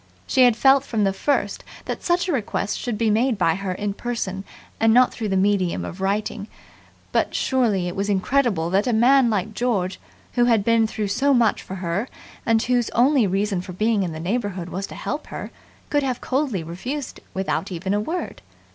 She had felt from the first that such a request should be made by her in person and not through the medium of writing, but surely it was incredible that a man like George, who had been through so much for her and whose only reason for being in the neighbourhood was to help her, could have coldly refused without even a word.